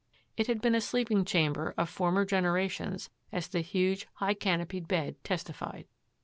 It had been a sleeping chamber of former genera tions as the huge, high canopied bed testified.